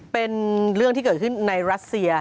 เป็นเรื่องที่เกิดขึ้นในรัสเซีย